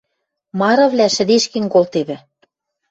Марывлӓ шӹдешкен колтевӹ.